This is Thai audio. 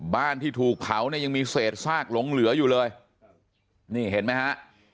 บ้านที่ถูกเผาเนี่ยยังมีเศษซากหลงเหลืออยู่เลยนี่เห็นไหมฮะ